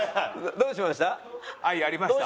どうしました？